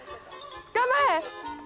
頑張れ！